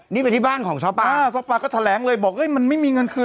นี่เป็นที่บ้านของซ้อป่าอ่าซ้อป่าก็แถลงเลยบอกว่ามันไม่มีเงินคืน